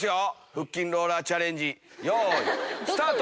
腹筋ローラーチャレンジよいスタート！